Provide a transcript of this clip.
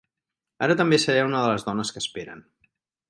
Ara, també seré una de les dones que esperen.